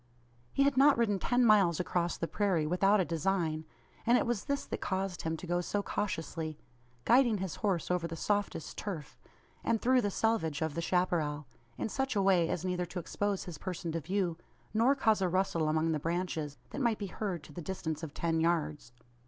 He had not ridden ten miles across the prairie without a design; and it was this that caused him to go so cautiously guiding his horse over the softest turf, and through the selvedge of the chapparal in such a way as neither to expose his person to view, nor cause a rustle among the branches, that might be heard to the distance of ten yards.